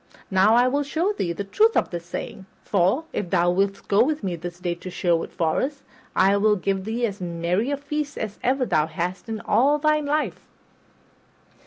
Now I will show thee the truth of this saying; for, if thou wilt go with me this day to Sherwood Forest, I will give thee as merry a feast as ever thou hadst in all thy life."